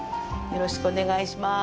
よろしくお願いします。